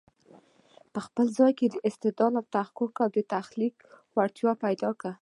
په خپل ځان کې د استدلال، تحقیق او تخليق وړتیا پیدا کړی